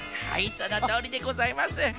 はいそのとおりでございます。